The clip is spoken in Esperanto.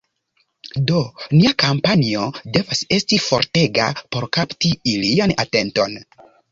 Do, nia kampanjo devas esti fortega por kapti ilian atenton